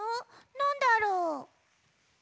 なんだろう？